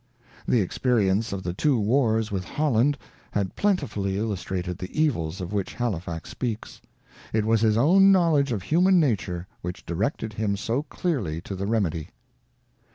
The experience of the two wars with Holland had plenti fully illustrated the evils of which Halifax speaks ; it was his own knowledge of human nature which directed him so clearly to the remedy.